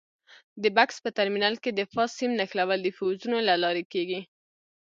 د بکس په ترمینل کې د فاز سیم نښلول د فیوزونو له لارې کېږي.